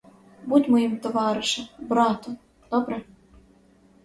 Будь моїм товаришем, братом, добре?